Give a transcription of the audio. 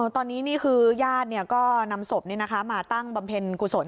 ตอนนี้นี่คือญาติก็นำศพมาตั้งบำเพ็ญกุศล